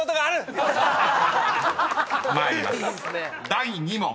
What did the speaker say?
第２問］